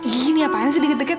gini apaan sih deket deket